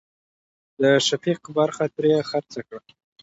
د شفيق برخه ترې خرڅه کړه.